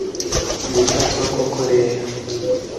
Gufatwa koko rero